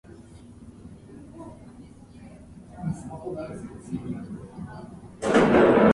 He is also a writer and offers relationship advice in "Essence" magazine.